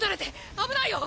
危ないよ！